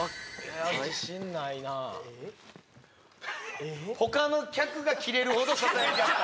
自信ないな他の客がキレるほど囁きあった？